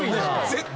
絶対！